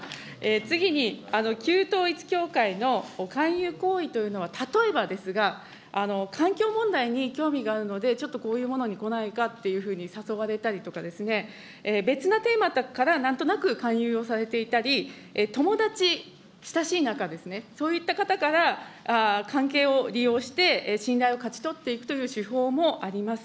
次に、旧統一教会の勧誘行為というのは、例えばですが、環境問題に興味があるので、ちょっとこういうものに来ないかっていうように誘われたりとかですね、別なテーマからなんとなく勧誘をされていたり、友達、親しい仲ですね、そういった方から、関係を利用して信頼を勝ち取っていくという手法もあります。